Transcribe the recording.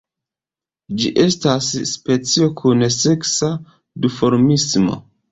Ĝi estas specio kun seksa duformismo.